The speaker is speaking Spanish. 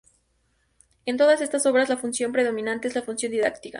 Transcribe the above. En todas estas obras la función predominante es la función didáctica.